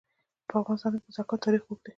په افغانستان کې د بزګان تاریخ اوږد دی.